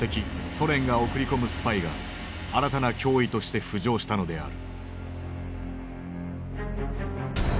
ソ連が送り込むスパイが新たな脅威として浮上したのである。